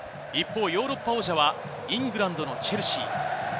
一方、ヨーロッパ王者はイングランドのチェルシー。